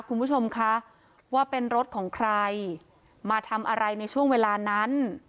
คุณผู้ชมคะว่าเป็นรถของใครมาทำอะไรในช่วงเวลานั้น